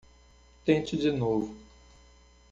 Tente de novo.